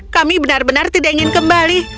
kami benar benar tidak ingin kembali